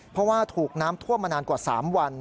เพราะว่าถูกน้ำท่วมมานานกว่า๓วัน